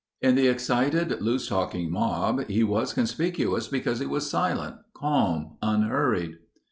In the excited, loose talking mob he was conspicuous because he was silent, calm, unhurried.